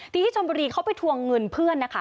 ที่ชนบุรีเขาไปทวงเงินเพื่อนนะคะ